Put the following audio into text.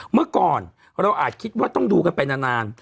เมื่อก่อนเราอาจคิดว่าต้องดูกันไปนาน